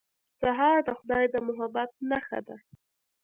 سهار د خدای د محبت نښه ده.